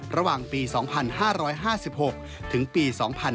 ระหว่างปี๒๕๕๖ถึงปี๒๕๕๙